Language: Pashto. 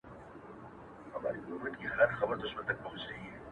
ښه دی چي ته خو ښه يې؛ گوره زه خو داسي يم؛